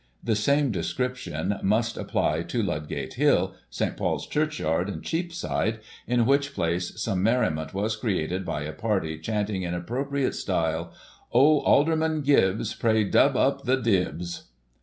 * The same description must apply to Ludgate Hill, St. Paul's Churchyard, and Cheapside, in which place some merriment was created by a party chanting in appropriate style :* Oh, Alderman Gibbs, Pray dub up the dibbs